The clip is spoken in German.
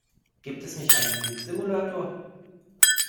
Gibt es nicht einen Flugsimulator?